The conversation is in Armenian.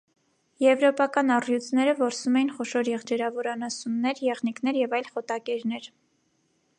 Եվրոպական առյուծները որսում էին խոշոր եղջերավոր անասուններ, եղնիկներ և այլ խոտակերներ։